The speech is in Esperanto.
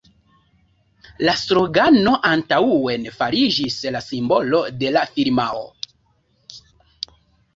La slogano «Antaŭen!» fariĝis la simbolo de la firmao.